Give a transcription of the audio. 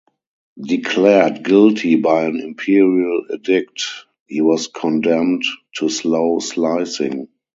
Declared guilty by an imperial edict, he was condemned to slow slicing.